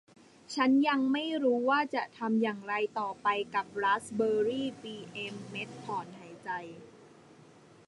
ฉันยังไม่รู้ว่าจะทำอย่างไรต่อไปกับราสเบอร์รี่ปี่เอ็มเม็ตต์ถอนหายใจ